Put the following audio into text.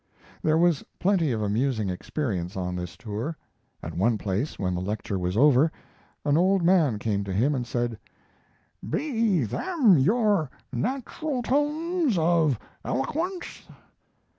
There was plenty of amusing experience on this tour. At one place, when the lecture was over, an old man came to him and said: "Be them your natural tones of eloquence?"